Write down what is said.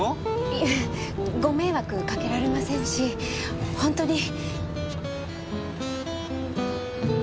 いえご迷惑かけられませんし本当に。